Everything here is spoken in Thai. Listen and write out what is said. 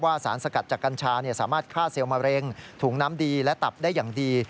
สารสกัดจากกัญชาสามารถฆ่าเซลล์มะเร็งถุงน้ำดีและตับได้อย่างดี